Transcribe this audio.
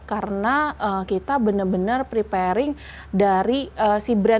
karena kita benar benar preparing dari si brand itu campaign dari awal